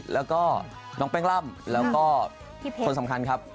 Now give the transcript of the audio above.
แล้วก็น้องแป้งล่ำแล้วก็คนสำคัญครับ